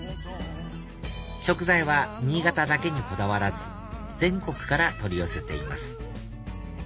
食材は新潟だけにこだわらず全国から取り寄せています